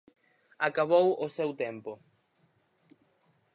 Acabou o seu tempo.